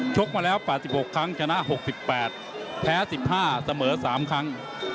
กมาแล้ว๘๖ครั้งชนะ๖๘แพ้๑๕เสมอ๓ครั้ง